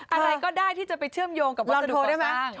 อะไรก็ได้ที่จะไปเชื่อมโยงกับวัสดุก่อสร้าง